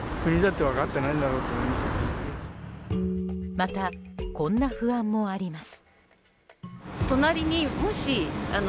また、こんな不安もあります。